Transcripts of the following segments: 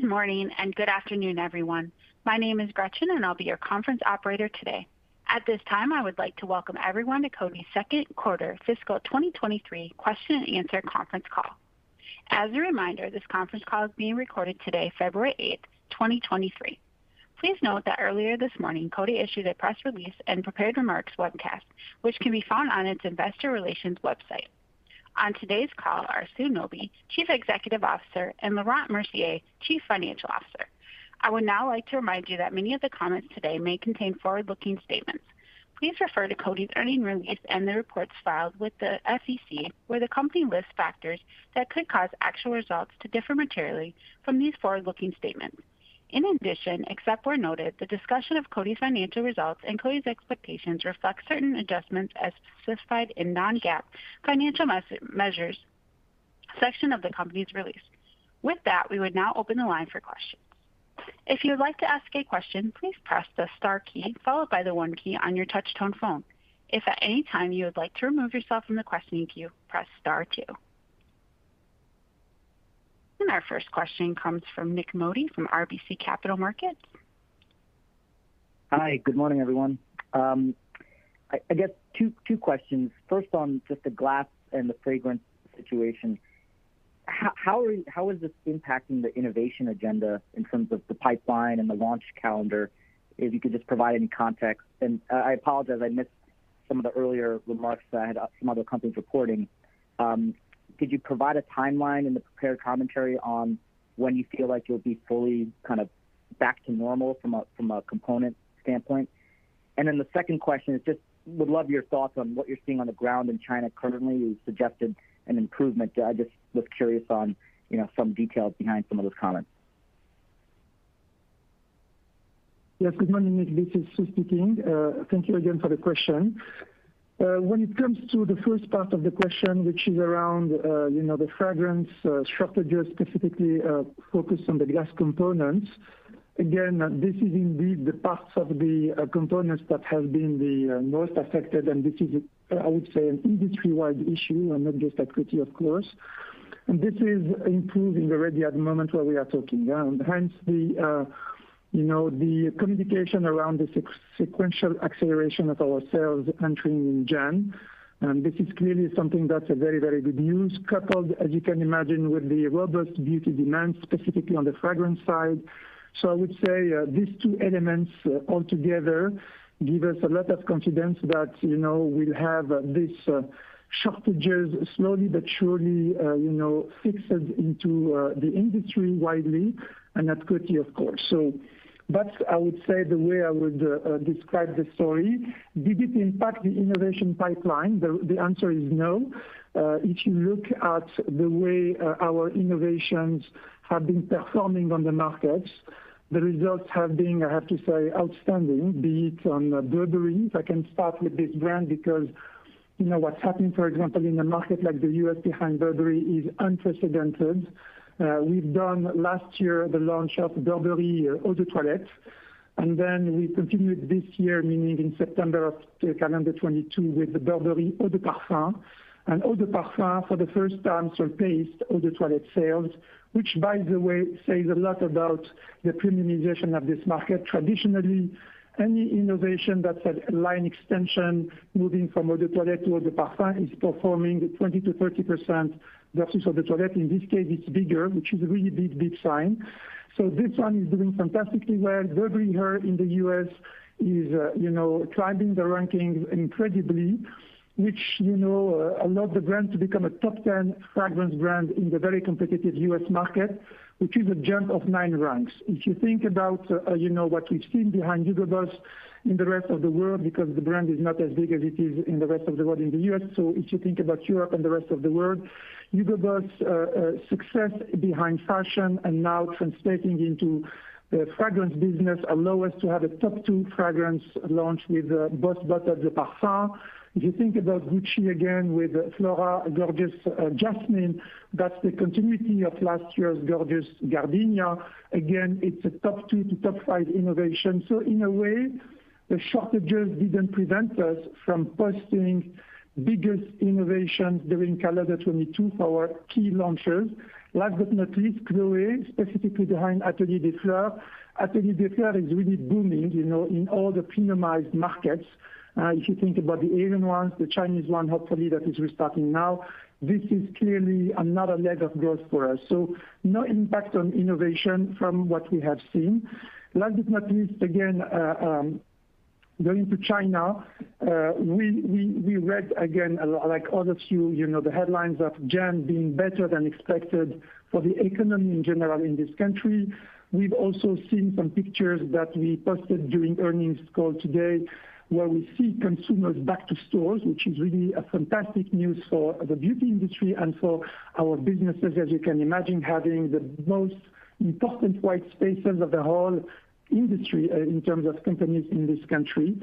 Good morning and good afternoon, everyone. My name is Gretchen. I'll be your conference operator today. At this time, I would like to welcome everyone to Coty's second quarter fiscal 2023 question and answer conference call. As a reminder, this conference call is being recorded today, February 8, 2023. Please note that earlier this morning, Coty issued a press release and prepared remarks webcast, which can be found on its investor relations website. On today's call are Sue Nabi, Chief Executive Officer. Laurent Mercier, Chief Financial Officer. I would now like to remind you that many of the comments today may contain forward-looking statements. Please refer to Coty's earning release and the reports filed with the SEC, where the company lists factors that could cause actual results to differ materially from these forward-looking statements. In addition, except where noted, the discussion of Coty's financial results and Coty's expectations reflect certain adjustments as specified in non-GAAP financial measures section of the company's release. With that, we would now open the line for questions. If you would like to ask a question, please press the star key followed by the one key on your touch tone phone. If at any time you would like to remove yourself from the questioning queue, press star two. Our first question comes from Nik Modi from RBC Capital Markets. Hi. Good morning, everyone. I guess two questions. First, on just the glass and the fragrance situation. How is this impacting the innovation agenda in terms of the pipeline and the launch calendar? If you could just provide any context. I apologize I missed some of the earlier remarks. I had some other companies reporting. Could you provide a timeline in the prepared commentary on when you feel like you'll be fully kind of back to normal from a, from a component standpoint? The second question is just would love your thoughts on what you're seeing on the ground in China currently. You suggested an improvement. I just was curious on, you know, some details behind some of those comments. Yes, good morning, Nik Modi. This is Sue Nabi speaking. Thank you again for the question. When it comes to the first part of the question, which is around, you know, the fragrance shortages specifically, focused on the glass components, again, this is indeed the parts of the components that have been the most affected. This is, I would say, an industry-wide issue and not just at Coty, of course. This is improving already at the moment where we are talking. Hence the, you know, the communication around the sequential acceleration of our sales entering in January. This is clearly something that's a very, very good news, coupled, as you can imagine, with the robust beauty demand, specifically on the fragrance side. I would say, these two elements altogether give us a lot of confidence that, you know, we'll have this shortages slowly but surely, you know, fixed into the industry widely and at Coty, of course. That's I would say the way I would describe the story. Did it impact the innovation pipeline? The answer is no. If you look at the way our innovations have been performing on the markets, the results have been, I have to say, outstanding, be it on Burberry. I can start with this brand because, you know, what's happening, for example, in a market like the U.S. behind Burberry is unprecedented. We've done last year the launch of Burberry Eau de Toilette, and then we continued this year, meaning in September of calendar 2022, with the Burberry Eau de Parfum. Eau de Parfum, for the first time, surpassed Eau de Toilette sales, which by the way says a lot about the premiumization of this market. Traditionally, any innovation that's a line extension moving from Eau de Toilette to Eau de Parfum is performing 20%-30% versus Eau de Toilette. In this case, it's bigger, which is a really big, big sign. This one is doing fantastically well. Burberry Her in the US is, you know, climbing the rankings incredibly, which, you know, allowed the brand to become a top 10 fragrance brand in the very competitive US market, which is a jump of nine ranks. If you think about, you know, what we've seen behind Hugo Boss in the rest of the world, because the brand is not as big as it is in the rest of the world in the U.S. If you think about Europe and the rest of the world, Hugo Boss success behind fashion and now translating into the fragrance business allow us to have a top two fragrance launch with BOSS Bottled Le Parfum. If you think about Gucci again with Flora Gorgeous Jasmine, that's the continuity of last year's Gorgeous Gardenia. Again, it's a top two-top five innovation. In a way, the shortages didn't prevent us from posting biggest innovations during calendar 2022 for our key launches. Last but not least, Chloé, specifically behind Atelier des Fleurs. Atelier des Fleurs is really booming, you know, in all the premiumized markets. If you think about the Asian ones, the Chinese one, hopefully that is restarting now. This is clearly another leg of growth for us. No impact on innovation from what we have seen. Last but not least, again, going to China, we read again a lot like all of you know, the headlines of January being better than expected for the economy in general in this country. We've also seen some pictures that we posted during earnings call today, where we see consumers back to stores, which is really a fantastic news for the beauty industry and for our businesses, as you can imagine, having the most important white spaces of the whole industry in terms of companies in this country.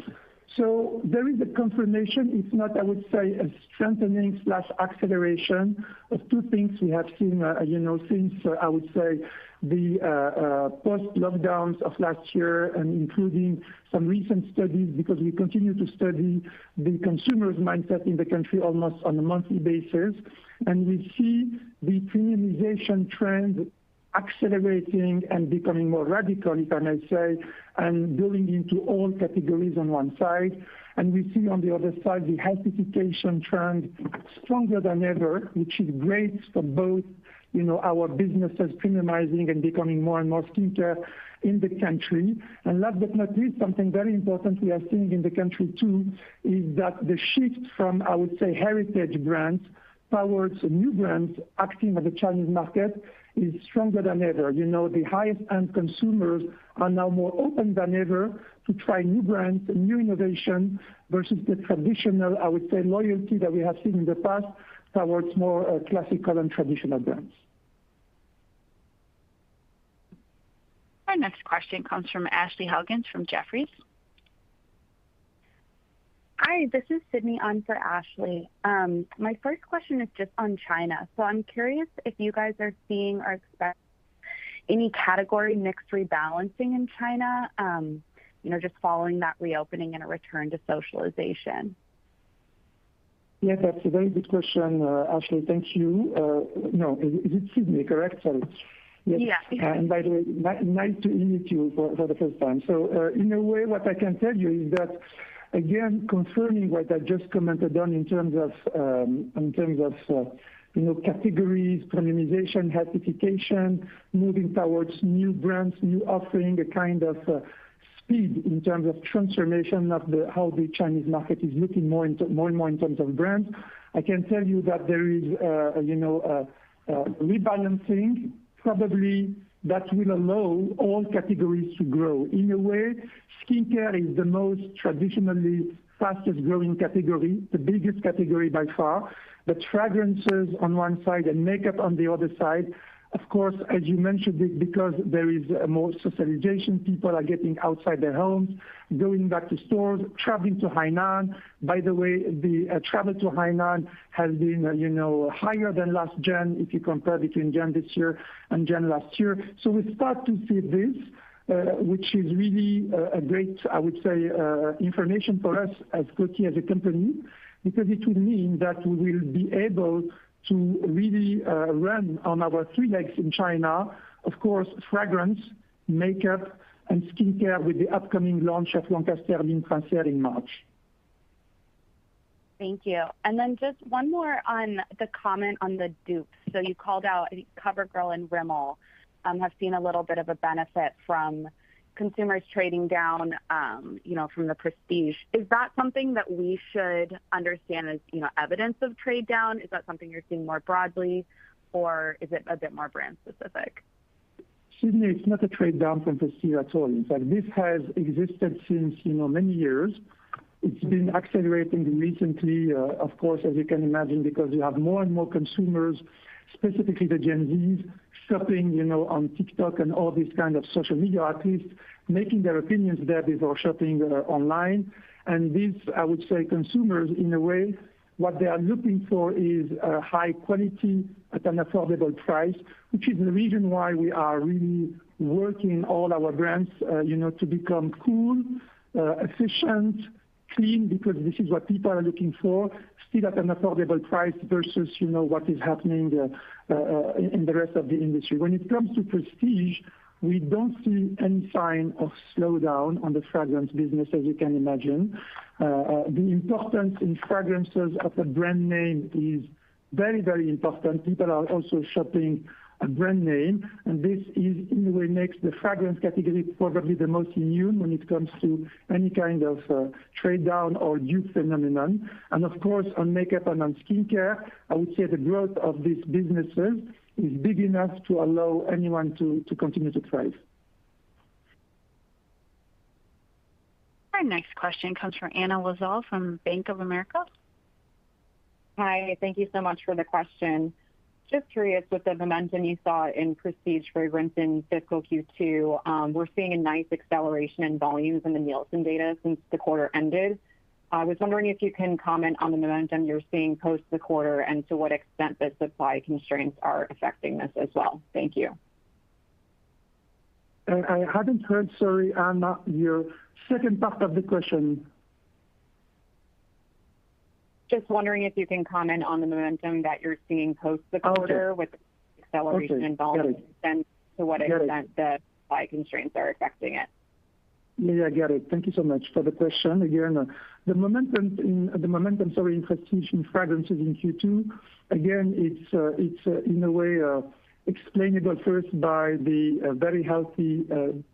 There is a confirmation. It's not, I would say, a strengthening slash acceleration of 2 things we have seen, you know, since I would say the Post lockdowns of last year and including some recent studies because we continue to study the consumer's mindset in the country almost on a monthly basis, and we see the premiumization trend accelerating and becoming more radical, if I may say, and building into all categories on 1 side. We see on the other side the healthification trend stronger than ever, which is great for both, you know, our businesses premiumizing and becoming more and more skincare in the country. Last but not least, something very important we are seeing in the country too, is that the shift from, I would say, heritage brands towards new brands acting on the Chinese market is stronger than ever. You know, the highest end consumers are now more open than ever to try new brands, new innovation versus the traditional, I would say, loyalty that we have seen in the past towards more classical and traditional brands. Our next question comes from Ashley Helgans from Jefferies. Hi, this is Sydney on for Ashley. My first question is just on China. I'm curious if you guys are seeing or expect any category mix rebalancing in China, you know, just following that reopening and a return to socialization? Yes, that's a very good question, Ashley. Thank you. No. Is it Sydney, correct? Sorry. Yes. By the way, nice to meet you for the first time. In a way, what I can tell you is that, again, confirming what I just commented on in terms of, in terms of, you know, categories, premiumization, healthification, moving towards new brands, new offering, a kind of speed in terms of transformation of how the Chinese market is looking more and more in terms of brands. I can tell you that there is, you know, a rebalancing probably that will allow all categories to grow. In a way, skincare is the most traditionally fastest-growing category, the biggest category by far, but fragrances on one side and makeup on the other side, of course, as you mentioned it, because there is more socialization, people are getting outside their homes, going back to stores, traveling to Hainan. The travel to Hainan has been, you know, higher than last January if you compare between January this year and January last year. We start to see this, which is really a great, I would say, information for us as Coty, as a company, because it will mean that we will be able to really run on our three legs in China, of course, fragrance, makeup, and skincare with the upcoming launch of Lancaster Ligne Princière in March. Thank you. Just one more on the comment on the dupes. You called out, I think, COVERGIRL and Rimmel have seen a little bit of a benefit from consumers trading down, you know, from the prestige. Is that something that we should understand as, you know, evidence of trade down? Is that something you're seeing more broadly, or is it a bit more brand specific? Sydney, it's not a trade down from prestige at all. In fact, this has existed since, you know, many years. It's been accelerating recently, of course, as you can imagine, because you have more and more consumers, specifically the Gen Zs, shopping, you know, on TikTok and all these kind of social media outlets, making their opinions there before shopping online. These, I would say, consumers in a way, what they are looking for is high quality at an affordable price, which is the reason why we are really working all our brands, you know, to become cool, efficient, clean, because this is what people are looking for, still at an affordable price versus, you know, what is happening in the rest of the industry. When it comes to prestige, we don't see any sign of slowdown on the fragrance business as you can imagine. The importance in fragrances of a brand name is very, very important. People are also shopping a brand name, and this is in a way makes the fragrance category probably the most immune when it comes to any kind of trade down or dupe phenomenon. Of course, on makeup and on skincare, I would say the growth of these businesses is big enough to allow anyone to continue to thrive. Our next question comes from Anna Lizzul from Bank of America. Hi, thank you so much for the question. Just curious, with the momentum you saw in prestige fragrance in fiscal Q2, we're seeing a nice acceleration in volumes in the Nielsen data since the quarter ended. I was wondering if you can comment on the momentum you're seeing post the quarter and to what extent the supply constraints are affecting this as well. Thank you. I haven't heard, sorry, Anna, your second part of the question? Just wondering if you can comment on the momentum that you're seeing post the quarter? Okay. with acceleration in volume Okay, got it. To what extent the supply constraints are affecting it. Yeah, I get it. Thank you so much for the question again. The momentum, sorry, in prestige in fragrances in Q2, again, it's, in a way, explainable first by the very healthy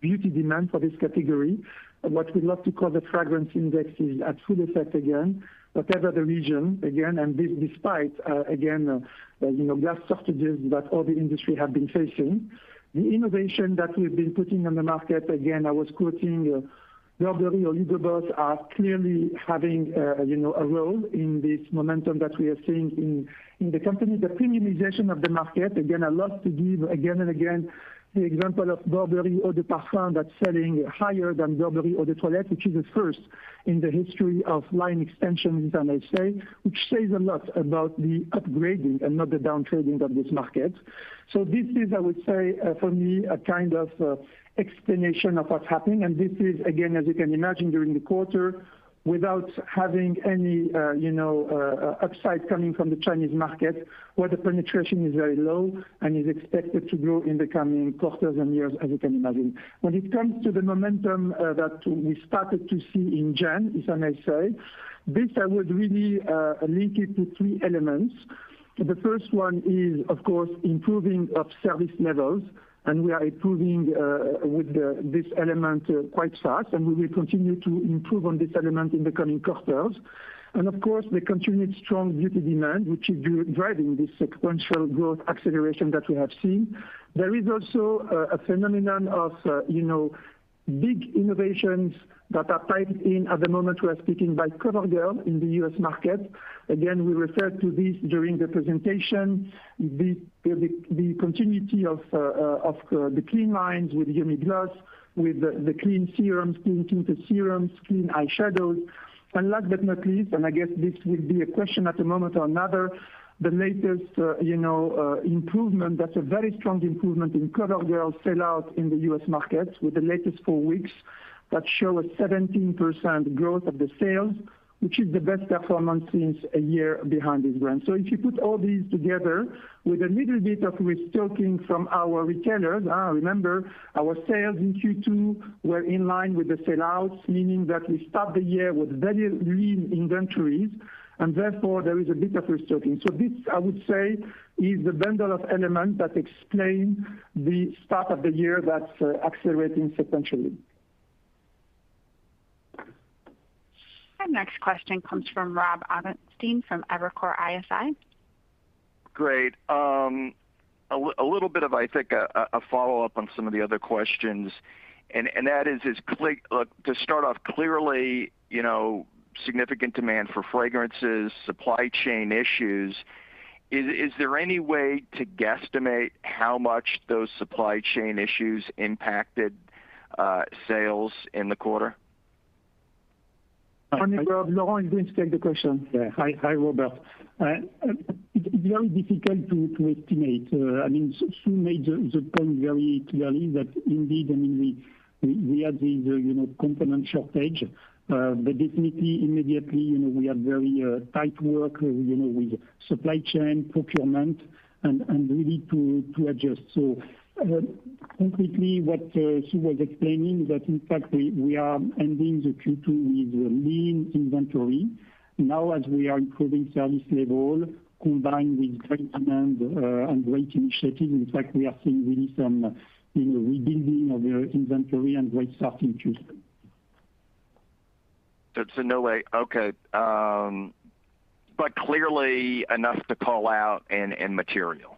beauty demand for this category. What we love to call the fragrance index is at full effect again, whatever the region again, and this despite, again, you know, glass shortages that all the industry have been facing. The innovation that we've been putting on the market, again, I was quoting Burberry or Libre are clearly having, you know, a role in this momentum that we are seeing in the company. The premiumization of the market, again, I love to give again and again the example of Burberry Eau de Parfum that's selling higher than Burberry Eau de Toilette, which is a first in the history of line extensions, I may say, which says a lot about the upgrading and not the down-trading of this market. This is, I would say, for me a kind of explanation of what's happening, and this is again, as you can imagine, during the quarter without having any, you know, upside coming from the Chinese market, where the penetration is very low and is expected to grow in the coming quarters and years as you can imagine. When it comes to the momentum that we started to see in January, if I may say, this I would really link it to three elements. The first one is, of course, improving of service levels. We are improving with this element quite fast, and we will continue to improve on this element in the coming quarters. Of course, the continued strong beauty demand, which is driving this sequential growth acceleration that we have seen. There is also a phenomenon of, you know, big innovations that are piped in at the moment we're speaking by COVERGIRL in the U.S. market. Again, we referred to this during the presentation. The continuity of the clean lines with Yummy Gloss, with the clean serums, clean tinted serums, clean eye shadows. Last but not least, and I guess this will be a question at a moment or another, the latest, you know, improvement, that's a very strong improvement in COVERGIRL sellout in the U.S. market with the latest four weeks that show a 17% growth of the sales, which is the best performance since a year behind this brand. If you put all these together with a little bit of restocking from our retailers. Now remember, our sales in Q2 were in line with the sellouts, meaning that we start the year with very lean inventories, and therefore there is a bit of restocking. This, I would say, is the bundle of element that explain the start of the year that's accelerating sequentially. Our next question comes from Robert Ottenstein from Evercore ISI. Great. A little bit of, I think, a follow-up on some of the other questions. That is clear. To start off, clearly, you know, significant demand for fragrances, supply chain issues. Is there any way to guesstimate how much those supply chain issues impacted sales in the quarter? I mean, Rob, Laurent is going to take the question. I mean, Sue made the point very clearly that indeed and we have this component shortage, but definitely immediately, we are very tight work with supply chain procurement and really to adjust. So completely what Sue was explaining that in fact we are ending the Q2 with a lean inventory. Now as we are improving service level combined with great demand and great initiatives, in fact, we are seeing really some rebuilding of the inventory and great stuff in Q2 No way. Okay. Clearly enough to call out and material.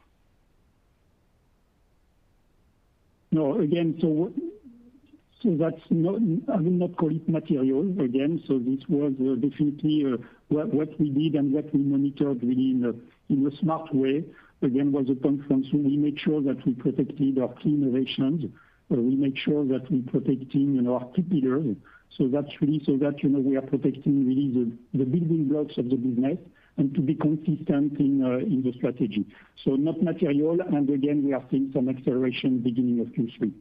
No. Again, I will not call it material. Again, this was definitely what we did and what we monitored really in a smart way, again, was a conference room. We made sure that we protected our key innovations. We make sure that we're protecting, you know, our pillars. That's really so that, you know, we are protecting really the building blocks of the business and to be consistent in the strategy. Not material. Again, we are seeing some acceleration beginning of Q3.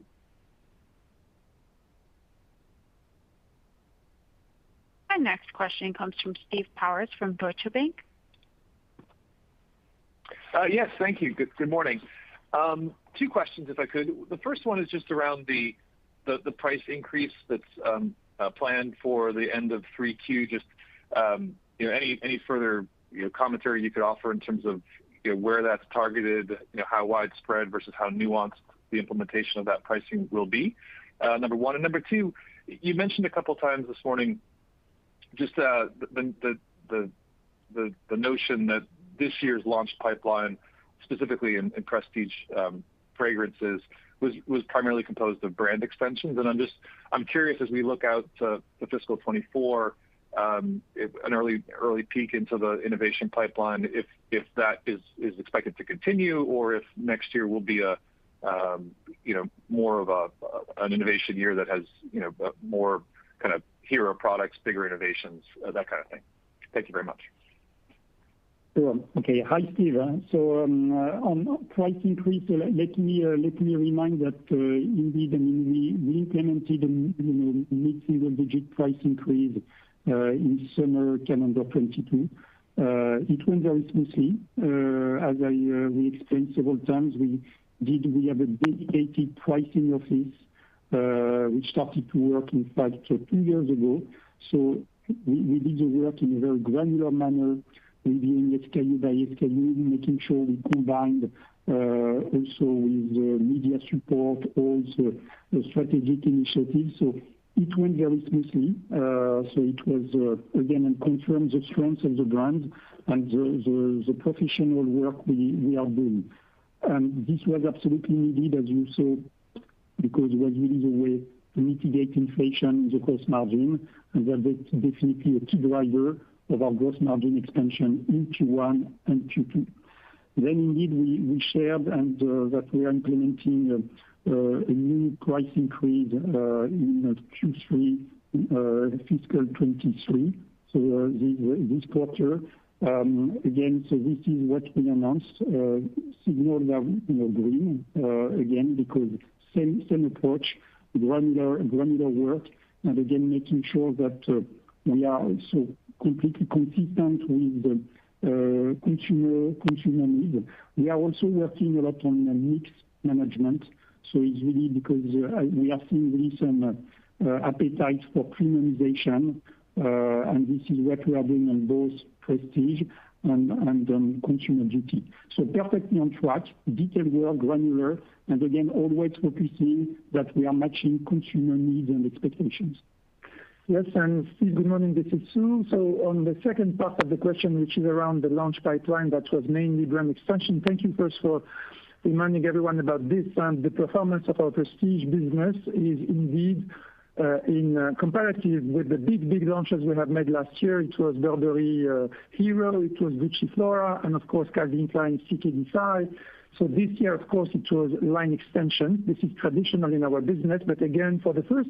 Our next question comes from Steve Powers from Deutsche Bank. Yes. Thank you. Good morning. Two questions, if I could. The first one is just around the price increase that's planned for the end of 3 Q. Just, you know, any further, you know, commentary you could offer in terms of, you know, where that's targeted, you know, how widespread versus how nuanced the implementation of that pricing will be, number one. Number two, you mentioned a couple of times this morning just, the notion that this year's launch pipeline, specifically in prestige fragrances, was primarily composed of brand extensions. I'm just, I'm curious, as we look out to the fiscal 2024, if an early peek into the innovation pipeline, if that is expected to continue or if next year will be a, you know, more of an innovation year that has, you know, more kind of hero products, bigger innovations, that kind of thing. Thank you very much. Sure. Okay. Hi, Steve. On price increase, let me remind that, indeed, I mean, we implemented, you know, mid-single digit price increase in summer calendar 22. It went very smoothly. As I, we explained several times, We have a dedicated pricing office, which started to work in fact, 2 years ago. We did the work in a very granular manner, really SKU by SKU, making sure we combined also with media support, the strategic initiatives. It went very smoothly. It was again, it confirmed the strength of the brand and the professional work we are doing. This was absolutely needed as you saw because it was really the way to mitigate inflation in the gross margin, and that is definitely a key driver of our gross margin expansion in Q1 and Q2. Indeed we shared that we are implementing a new price increase in Q3 fiscal 23, so this quarter. Again, this is what we announced, signal we are, you know, doing again, because same approach, granular work. Again, making sure that we are also completely consistent with the consumer need. We are also working a lot on mix management. It's really because we are seeing really some appetite for premiumization. This is what we are doing on both prestige and consumer beauty. Perfectly on track, detailed work, granular, and again, always focusing that we are matching consumer needs and expectations. Yes, Steve, good morning, this is Sue. On the second part of the question, which is around the launch pipeline that was mainly brand extension. Thank you first for reminding everyone about this and the performance of our prestige business is indeed in comparative with the big, big launches we have made last year. It was Burberry Hero, it was Gucci Flora, and of course Calvin Klein CK Defy. This year, of course, it was line extension. This is traditional in our business, but again, for the first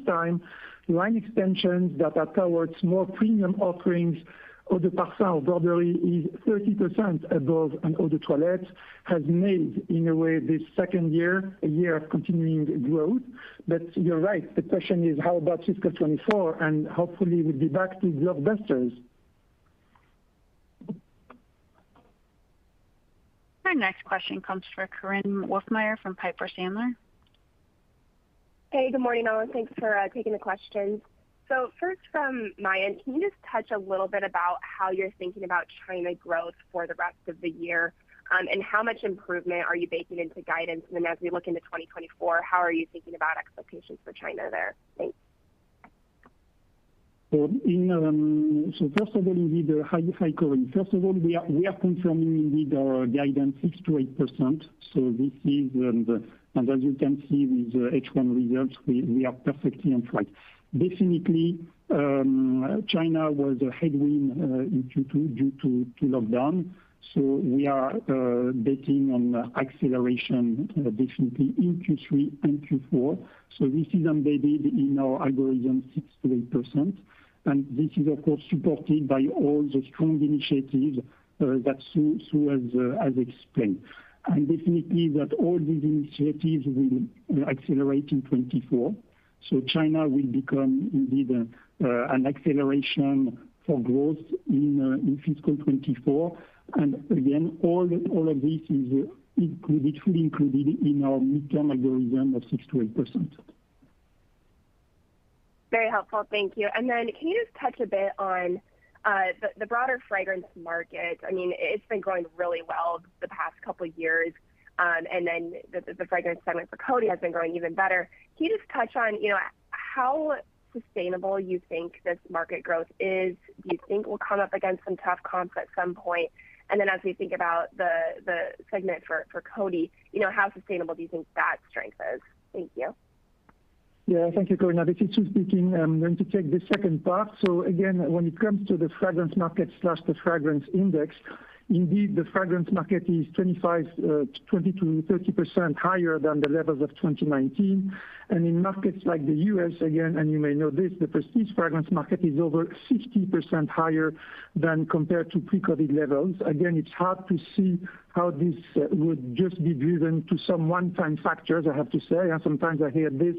time, line extensions that are towards more premium offerings, Eau de Parfum Burberry is 30% above an Eau de Toilette, has made in a way this second year, a year of continuing growth. You're right, the question is how about fiscal 2024, hopefully we'll be back to blockbusters. Our next question comes from Korinne Wolfmeyer from Piper Sandler. Good morning all, thanks for taking the questions. First from my end, can you just touch a little bit about how you're thinking about China growth for the rest of the year, how much improvement are you baking into guidance? As we look into 2024, how are you thinking about expectations for China there? Thanks. First of all, indeed, hi, Korinne. First of all, we are confirming indeed our guidance 6%-8%. This is and, as you can see with the H1 results, we are perfectly on track. Definitely, China was a headwind due to lockdown. We are betting on acceleration definitely in Q3 and Q4. This is embedded in our algorithm 6%-8%, and this is of course supported by all the strong initiatives that Sue has explained. Definitely that all these initiatives will accelerate in 2024. China will become indeed an acceleration for growth in fiscal 2024. Again, all of this is literally included in our midterm algorithm of 6%-8%. Very helpful. Thank you. Can you just touch a bit on the broader fragrance market? I mean, it's been growing really well the past couple years, the fragrance segment for Coty has been growing even better. Can you just touch on, you know, how sustainable you think this market growth is? Do you think we'll come up against some tough comps at some point? As we think about the segment for Coty, you know, how sustainable do you think that strength is? Thank you. Yeah. Thank you, Korinne. This is Sue Nabi. I'm going to take the second part. Again, when it comes to the fragrance market/the fragrance index, indeed the fragrance market is 25, 20%-30% higher than the levels of 2019. In markets like the U.S., again, and you may know this, the prestige fragrance market is over 60% higher than compared to pre-COVID levels. Again, it's hard to see how this would just be driven to some one-time factors, I have to say, and sometimes I hear this,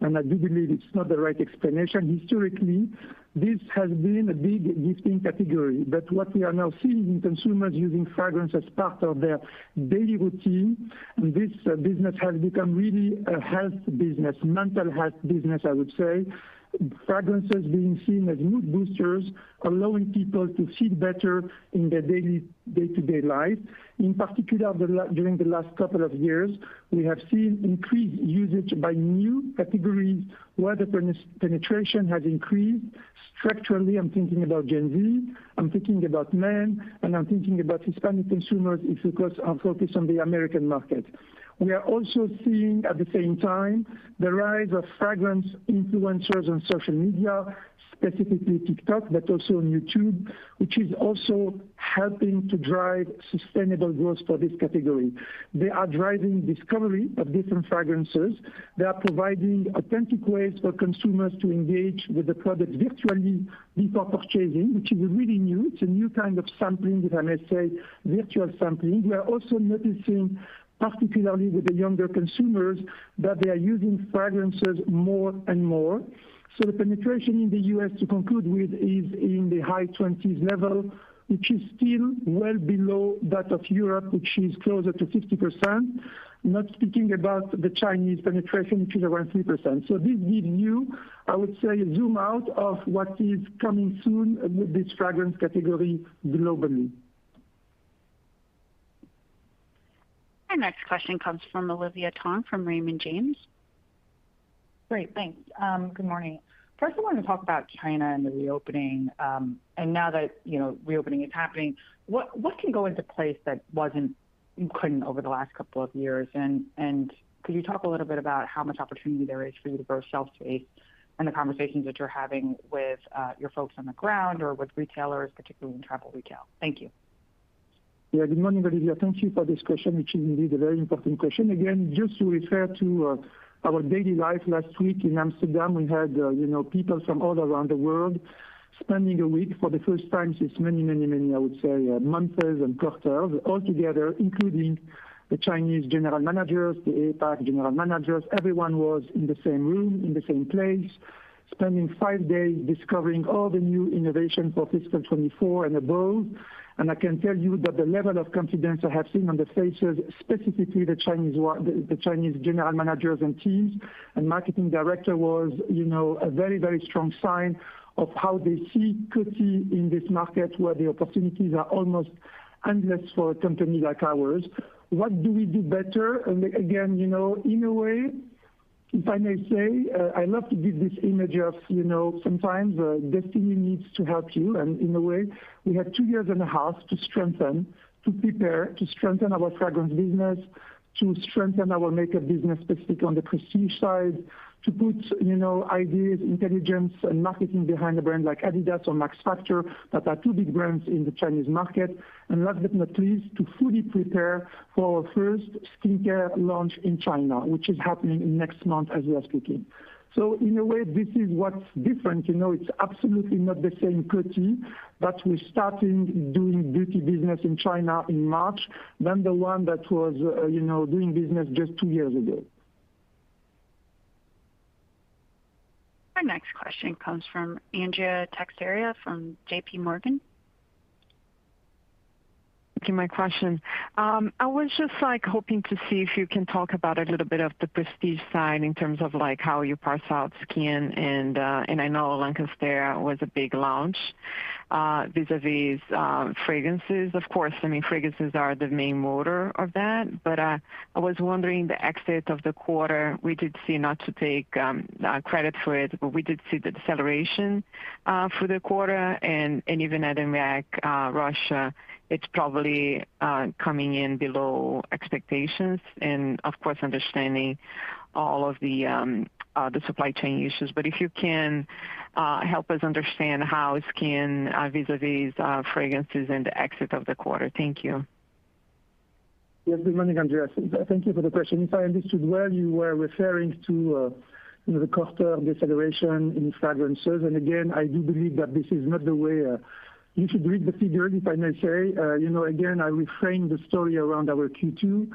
and I do believe it's not the right explanation. Historically, this has been a big gifting category, but what we are now seeing in consumers using fragrance as part of their daily routine, and this business has become really a health business, mental health business, I would say. Fragrance is being seen as mood boosters, allowing people to feel better in their daily day-to-day life. In particular, during the last couple of years, we have seen increased usage by new categories where the penetration has increased. Structurally, I'm thinking about Gen Z, I'm thinking about men, and I'm thinking about Hispanic consumers if, of course, I'm focused on the American market. We are also seeing, at the same time, the rise of fragrance influencers on social media, specifically TikTok, but also on YouTube, which is also helping to drive sustainable growth for this category. They are driving discovery of different fragrances. They are providing authentic ways for consumers to engage with the product virtually before purchasing, which is really new. It's a new kind of sampling, if I may say, virtual sampling. We are also noticing, particularly with the younger consumers, that they are using fragrances more and more. The penetration in the U.S., to conclude with, is in the high 20s level, which is still well below that of Europe, which is closer to 50%, not speaking about the Chinese penetration, which is around 3%. This gives you, I would say, a zoom out of what is coming soon with this fragrance category globally. Our next question comes from Olivia Tong from Raymond James. Great. Thanks. Good morning. First I wanted to talk about China and the reopening, and now that, you know, reopening is happening, what can go into place that couldn't over the last couple of years? Could you talk a little bit about how much opportunity there is for you to grow shelf space and the conversations that you're having with your folks on the ground or with retailers, particularly in travel retail? Thank you. Yeah. Good morning, Olivia. Thank you for this question, which is indeed a very important question. Again, just to refer to our daily life last week in Amsterdam, we had, you know, people from all around the world spending a week for the first time since many, many, many, I would say, months and quarters all together, including the Chinese general managers, the APAC general managers. Everyone was in the same room, in the same place, spending 5 days discovering all the new innovation for fiscal 24 and above. I can tell you that the level of confidence I have seen on the faces, specifically the Chinese general managers and teams and marketing director, was, you know, a very, very strong sign of how they see Coty in this market, where the opportunities are almost endless for a company like ours. What do we do better? Again, you know, in a way, if I may say, I love to give this image of, you know, sometimes, destiny needs to help you. In a way, we had 2 years and a half to strengthen, to prepare, to strengthen our fragrance business, to strengthen our makeup business, specific on the prestige side, to put, you know, ideas, intelligence, and marketing behind the brands like adidas or Max Factor that are two big brands in the Chinese market. Last but not least, to fully prepare for first skincare launch in China, which is happening in next month as we are speaking. In a way, this is what's different. You know, it's absolutely not the same Coty that we started doing beauty business in China in March than the one that was, you know, doing business just 2 years ago. Our next question comes from Andrea Teixeira from JPMorgan. Thank you, my question. I was just, like, hoping to see if you can talk about a little bit of the prestige side in terms of, like, how you parse out skin and I know Lancaster was a big launch vis-a-vis fragrances. Of course, I mean, fragrances are the main motor of that. I was wondering the exit of the quarter, we did see, not to take credit for it, but we did see the deceleration for the quarter. Even at EMEA, Russia, it's probably coming in below expectations and of course, understanding all of the supply chain issues. If you can help us understand how skin vis-a-vis fragrances and the exit of the quarter. Thank you. Yes. Good morning, Andrea. Thank you for the question. If I understood well, you were referring to, you know, the quarter deceleration in fragrances. Again, I do believe that this is not the way. You should read the figures, if I may say. You know, again, I reframe the story around our Q2,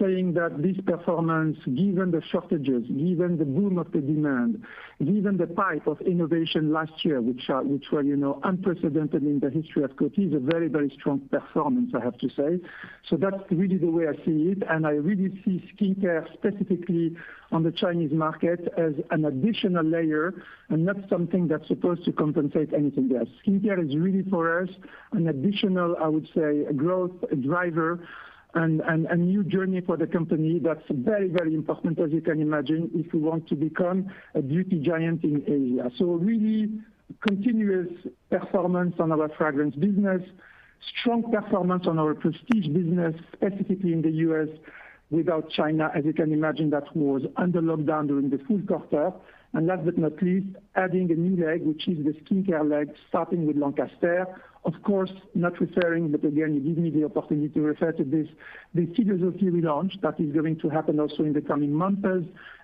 saying that this performance, given the shortages, given the boom of the demand, given the pipe of innovation last year, which were, you know, unprecedented in the history of Coty, is a very, very strong performance, I have to say. That's really the way I see it, and I really see skincare specifically on the Chinese market as an additional layer, and not something that's supposed to compensate anything there. Skincare is really for us, an additional, I would say, growth driver and a new journey for the company that's very, very important, as you can imagine, if we want to become a beauty giant in Asia. Really continuous performance on our fragrance business, strong performance on our prestige business, specifically in the U.S. without China, as you can imagine, that was under lockdown during the full quarter. Last but not least, adding a new leg, which is the skincare leg, starting with Lancaster. Of course not referring, but again, you give me the opportunity to refer to this, the figures of the relaunch that is going to happen also in the coming months.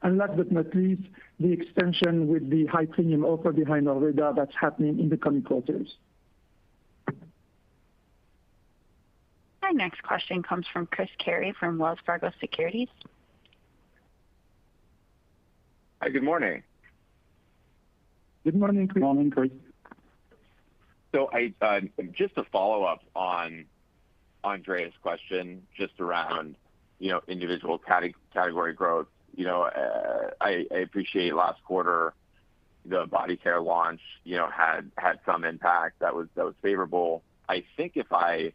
Last but not least, the extension with the high premium offer behind our radar that's happening in the coming quarters. Our next question comes from Chris Carey from Wells Fargo Securities. Hi, good morning. Good morning, Chris. Morning, Chris. I, just a follow-up on Andrea's question, just around, you know, individual category growth. You know, I appreciate last quarter the body care launch, you know, had some impact that was favorable. I think if I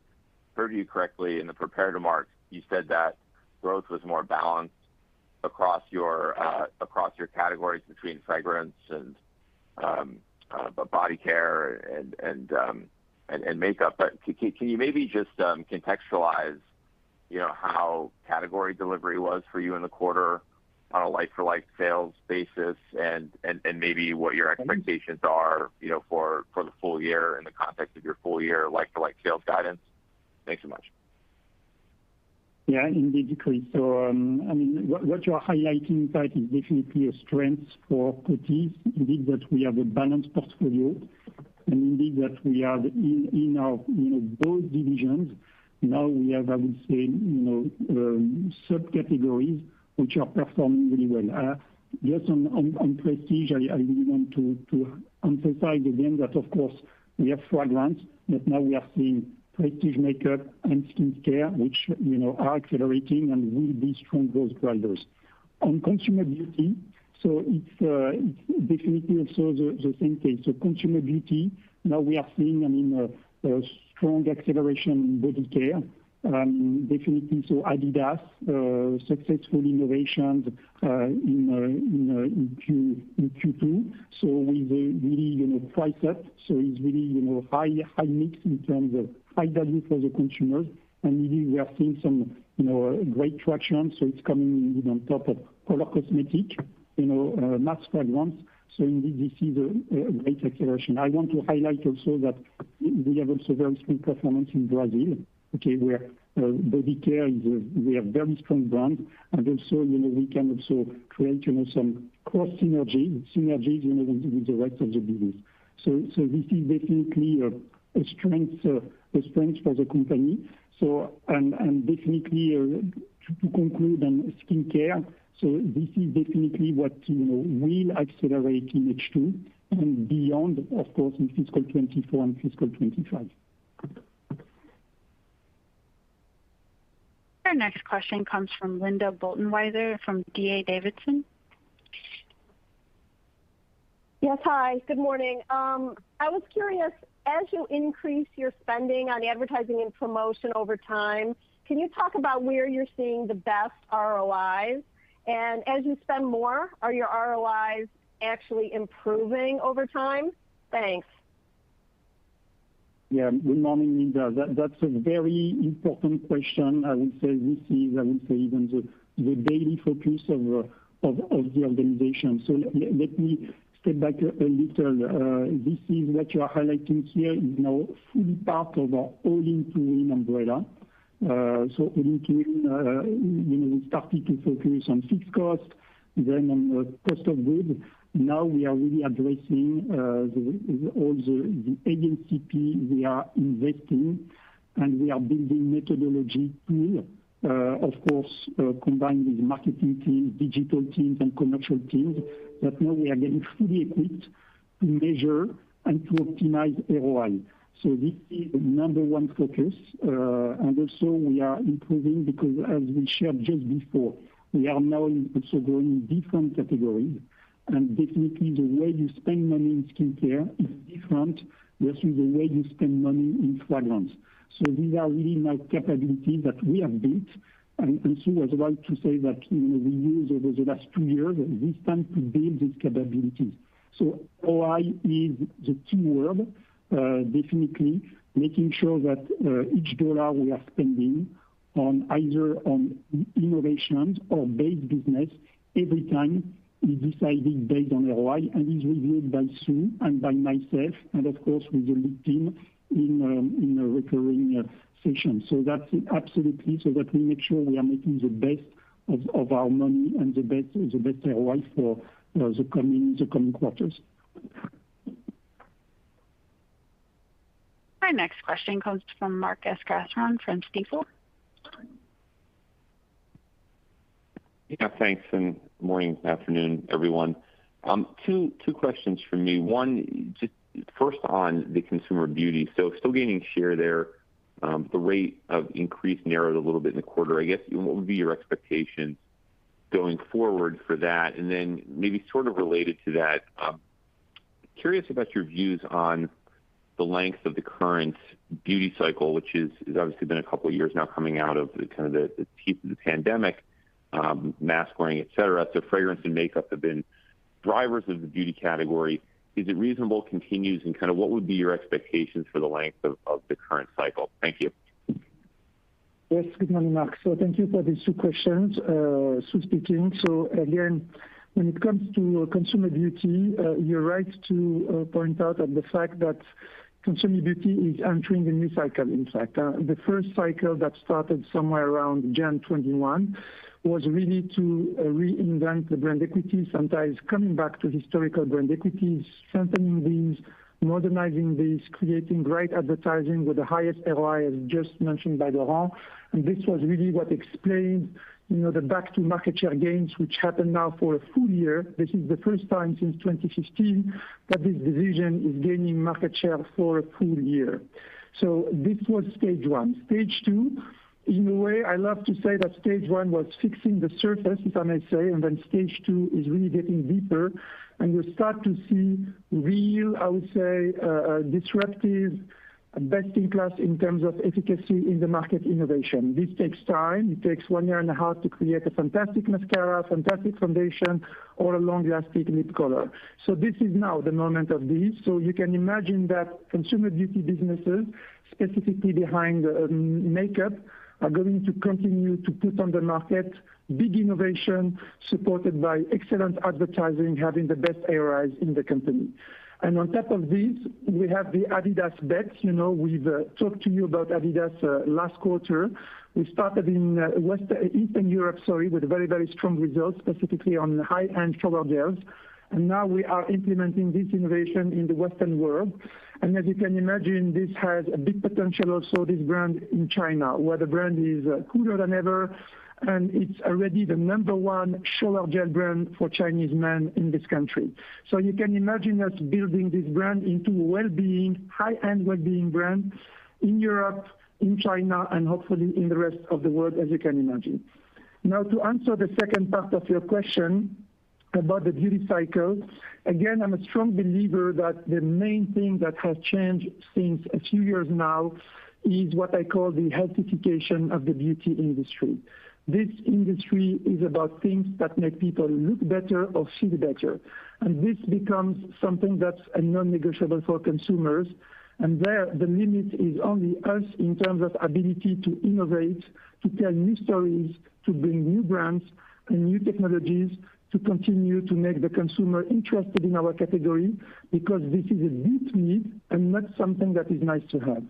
heard you correctly in the prepared remarks, you said that growth was more balanced across your categories between fragrance and body care and makeup. Can you maybe just contextualize, you know, how category delivery was for you in the quarter on a like-for-like sales basis and maybe what your expectations are, you know, for the full year in the context of your full year like-for-like sales guidance? Thanks so much. Yeah, indeed, Chris. I mean, what you're highlighting, right, is definitely a strength for Coty, indeed, that we have a balanced portfolio and indeed that we have in our, you know, both divisions. Now we have, I would say, you know, subcategories which are performing really well. Just on prestige, I really want to emphasize again that of course we have fragrance, but now we are seeing prestige makeup and skincare, which, you know, are accelerating and will be strong growth drivers. On consumer beauty, it's definitely also the same case. Consumer beauty, now we are seeing, I mean, a strong acceleration in body care. Definitely so adidas, successful innovations in Q2. With a really, you know, price up, it's really, you know, high, high mix in terms of high value for the consumers. Indeed we are seeing some, you know, great traction. It's coming even on top of color cosmetic, you know, mass fragrance. Indeed this is a great acceleration. I want to highlight also that we have also very strong performance in Brazil. Okay? Where body care. We have very strong brand, and also, you know, we can also create, you know, some cost synergies, you know, with the rest of the business. This is definitely a strength for the company. And definitely, to conclude on skincare, this is definitely what, you know, will accelerate in H2 and beyond, of course, in fiscal 24 and fiscal 25. Our next question comes from Linda Bolton Weiser from D.A. Davidson. Hi, good morning. I was curious, as you increase your spending on advertising and promotion over time, can you talk about where you're seeing the best ROIs? As you spend more, are your ROIs actually improving over time? Thanks. Good morning, Linda. That's a very important question. I would say this is the daily focus of the organization. Let me step back a little. This is what you are highlighting here is now fully part of our All In to Win umbrella. All In to Win, you know, we started to focus on fixed costs, then on cost of goods. Now we are really addressing all the agency fee we are investing, and we are building methodology to, of course, combine with marketing teams, digital teams, and commercial teams, that now we are getting fully equipped to measure and to optimize ROI. This is the number 1 focus. Also we are improving because as we shared just before, we are now also growing different categories. Definitely the way you spend money in skincare is different versus the way you spend money in fragrance. These are really now capabilities that we have built. Sue was right to say that, you know, we use over the last two years this time to build these capabilities. ROI is the key word, definitely making sure that each dollar we are spending on either on innovations or base business every time is decided based on ROI and is reviewed by Sue and by myself and of course with the lead team in in a recurring session. That's absolutely so that we make sure we are making the best of our money and the best ROI for the coming quarters. Our next question comes from Mark Astrachan from Stifel. Yeah, thanks. Morning, afternoon, everyone. 2 questions from me. One, just first on the consumer beauty. Still gaining share there. The rate of increase narrowed a little bit in the quarter. I guess, what would be your expectations going forward for that? Maybe sort of related to that, curious about your views on the length of the current beauty cycle, which has obviously been a couple of years now coming out of the kind of the teeth of the pandemic, mask wearing, et cetera. Fragrance and makeup have been drivers of the beauty category. Is it reasonable continues, and kind of what would be your expectations for the length of the current cycle? Thank you. Yes. Good morning, Mark. Thank you for these 2 questions. Sue speaking. Again, when it comes to consumer beauty, you're right to point out on the fact that consumer beauty is entering a new cycle, in fact. The first cycle that started somewhere around Jan 2021 was really to reinvent the brand equity, sometimes coming back to historical brand equities, strengthening these, modernizing these, creating great advertising with the highest ROI, as just mentioned by Laurent. This was really what explained, you know, the back to market share gains, which happened now for a full year. This is the first time since 2015 that this division is gaining market share for a full year. This was stage 1. Stage two, in a way, I love to say that stage one was fixing the surface, if I may say, stage two is really getting deeper, we start to see real, I would say, disruptive best in class in terms of efficacy in the market innovation. This takes time. It takes 1 year and a half to create a fantastic mascara, fantastic foundation, or a long-lasting lip color. This is now the moment of this. You can imagine that consumer beauty businesses, specifically behind makeup, are going to continue to put on the market big innovation supported by excellent advertising, having the best ROIs in the company. On top of this, we have the adidas bets. You know, we've talked to you about adidas last quarter. We started in Eastern Europe, sorry, with very strong results, specifically on high-end shower gels. Now we are implementing this innovation in the Western world. As you can imagine, this has a big potential also, this brand, in China, where the brand is cooler than ever, and it's already the number one shower gel brand for Chinese men in this country. You can imagine us building this brand into a wellbeing, high-end wellbeing brand in Europe, in China, and hopefully in the rest of the world, as you can imagine. Now to answer the second part of your question about the beauty cycle, again, I'm a strong believer that the main thing that has changed since a few years now is what I call the healthification of the beauty industry. This industry is about things that make people look better or feel better, this becomes something that's a non-negotiable for consumers. There the limit is only us in terms of ability to innovate, to tell new stories, to bring new brands and new technologies, to continue to make the consumer interested in our category, because this is a deep need and not something that is nice to have.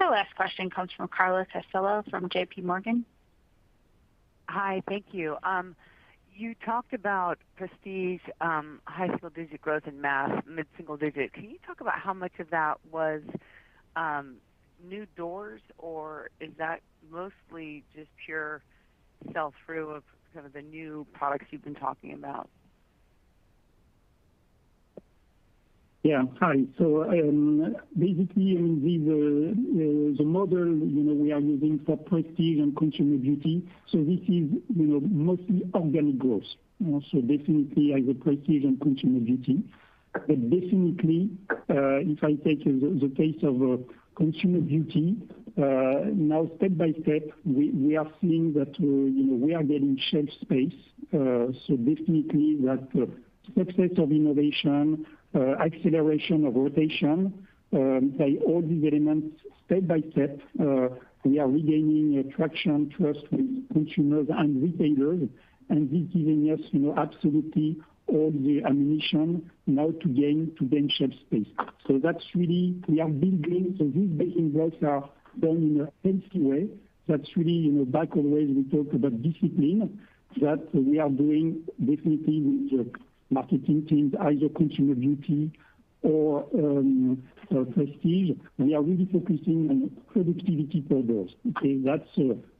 The last question comes from Carla Casella from JP Morgan. Hi. Thank you. You talked about prestige, high single digit growth in mass, mid-single digit. Can you talk about how much of that was new doors, or is that mostly just pure sell-through of kind of the new products you've been talking about? Yeah. Hi. Basically, I mean, the model, you know, we are using for prestige and consumer beauty, this is, you know, mostly organic growth. Also definitely either prestige and consumer beauty. Definitely, if I take the case of consumer beauty, now step by step, we are seeing that, you know, we are getting shelf space. Definitely that success of innovation, acceleration of rotation, by all these elements, step by step, we are regaining attraction, trust with consumers and retailers. This giving us, you know, absolutely all the ammunition now to gain shelf space. That's really we are building. This building blocks are done in a healthy way. That's really, you know, back always we talked about discipline that we are doing definitely with the marketing teams, either consumer beauty or prestige. We are really focusing on productivity per door. Okay? That's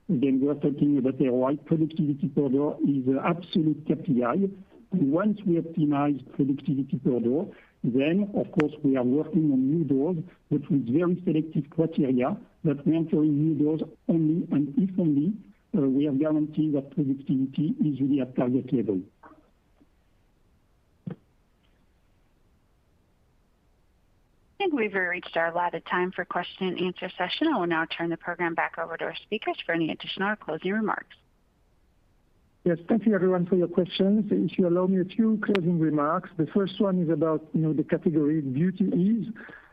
again, we are talking about the right productivity per door is absolute KPI. Once we optimize productivity per door, then of course we are working on new doors but with very selective criteria that we enter in new doors only and if only, we are guaranteed that productivity is really at target level. I think we've reached our allotted time for question and answer session. I will now turn the program back over to our speakers for any additional or closing remarks. Yes. Thank you everyone for your questions. If you allow me a few closing remarks. The first one is about, you know, the category beauty is,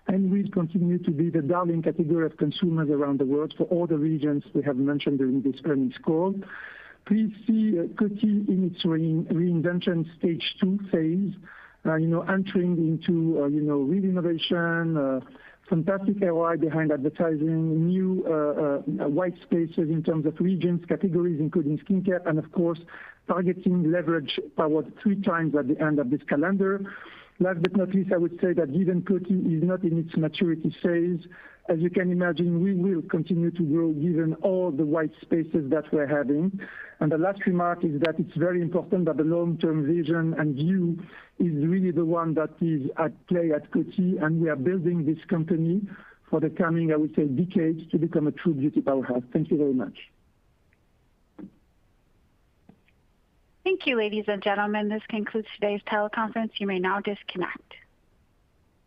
and will continue to be the darling category of consumers around the world for all the regions we have mentioned during this earnings call. Please see, Coty in its reinvention stage 2 phase, you know, entering into, you know, real innovation, fantastic ROI behind advertising, new white spaces in terms of regions, categories including skincare and of course targeting leverage power 3 times at the end of this calendar. Last but not least, I would say that given Coty is not in its maturity phase, as you can imagine, we will continue to grow given all the white spaces that we're having. The last remark is that it's very important that the long-term vision and view is really the one that is at play at Coty, and we are building this company for the coming, I would say, decades to become a true beauty powerhouse. Thank you very much. Thank you, ladies and gentlemen. This concludes today's teleconference. You may now disconnect.